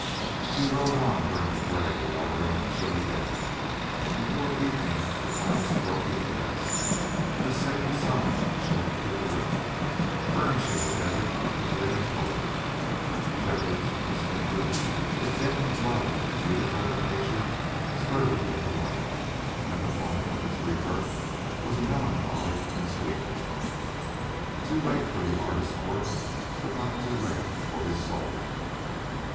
He rode on during the gray, lowering, chilly day, and toward evening the clouds broke in the west, and a setting sun shone through the rift, burnishing the desert to red and gold. Shefford's instinctive but deadened love of the beautiful in nature stirred into life, and the moment of its rebirth was a melancholy and sweet one. Too late for the artist's work, but not too late for his soul!